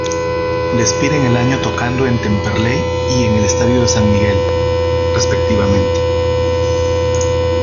Despiden el año tocando en Temperley y en el estadio de San Miguel, respectivamente.